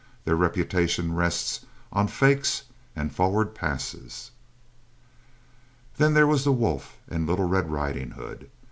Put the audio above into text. Their reputation rests on fakes and forward passes. Then there was the wolf and Little Red Riding Hood.